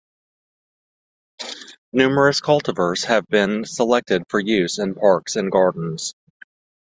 Numerous cultivars have been selected for use in parks and gardens.